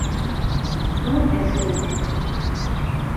Tmudd-asen-t.